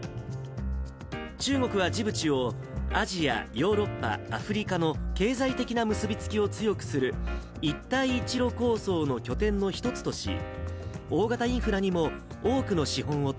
中国はジブチをアジア、ヨーロッパ、アフリカの経済的な結び付きを強くする、一帯一路構想の拠点の一つとし、大型インフラにも多くの資本を投